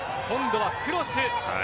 今度はクロス。